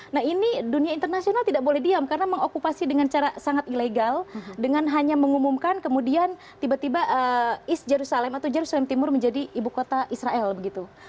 nah ini dunia internasional tidak boleh diam karena mengokupasi dengan cara sangat ilegal dengan hanya mengumumkan kemudian tiba tiba east jerusalem atau jerusalem timur menjadi ibu kota israel begitu